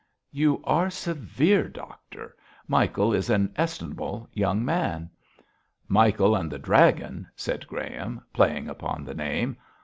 'You are severe, doctor. Michael is an estimable young man.' 'Michael and the Dragon!' said Graham, playing upon the name.